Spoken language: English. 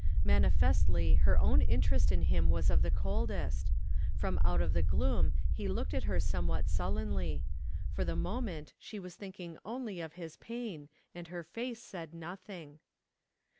Manifestly her own interest in him was of the coldest. From out of the gloom he looked at her somewhat sullenly. For the moment she was thinking only of his pain, and her face said nothing.